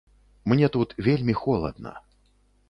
Мне тут вельмі холадна.